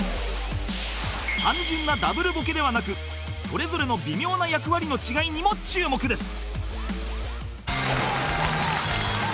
単純な Ｗ ボケではなくそれぞれの微妙な役割の違いにも注目です